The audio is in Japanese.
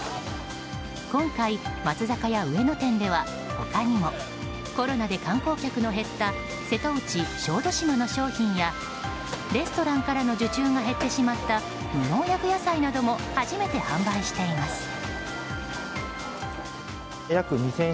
今回、松坂屋上野店では他にもコロナで観光客の減った瀬戸内、小豆島の商品やレストランからの受注が減ってしまった無農薬野菜なども初めて販売しています。